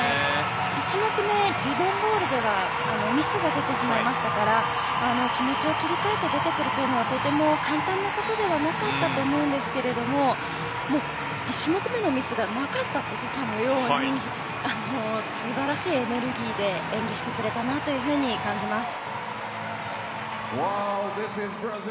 １種目め、リボン・ボールではミスが出てしまいましたから気持ちを切り替えて出てくるというのはとても簡単なことではなかったと思うんですけれども１種目めのミスがなかったことかのように素晴らしいエネルギーで演技してくれたなと感じます。